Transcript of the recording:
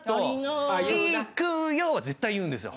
・「行くよ！」は絶対言うんですよ。